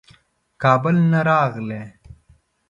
کابل نه راغلی.